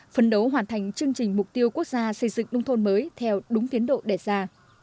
phấn đấu hoàn thành chương trình mục tiêu quốc gia xây dựng nông thôn mới theo đúng tiến độ đề ra